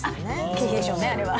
経費でしょうねあれは。